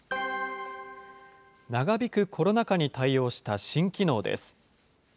長引くコロナ禍に対応した新機能です。